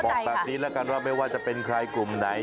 บอกแบบนี้แล้วกันว่าไม่ว่าจะเป็นใครกลุ่มไหน